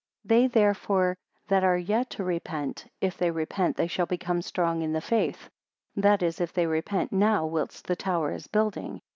60 They therefore that are yet to repent, if they repent they shall become strong in the faith; that is, if they repent now, whilst the tower is building.